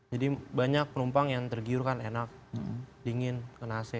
jadi banyak penumpang yang tergiur kan enak dingin kena ac